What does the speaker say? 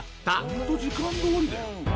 ホント時間通りだよ。